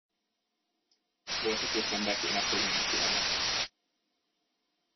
Voltaképpen be kéne fogni a fülemet.